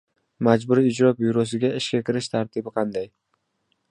Majburiy ijro byurosiga ishga kirish tartibi qanday?